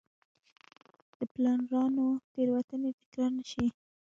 د پلانرانو تېروتنې تکرار نه شي.